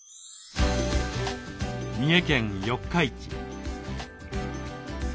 三重県四日市。